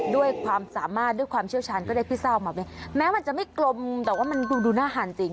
ด้วยความสามารถด้วยความเชี่ยวชาญก็ได้พิซซ่าออกมาบนี้แม้มันจะไม่กลมแต่ว่ามันดูหน้าอาหารจริง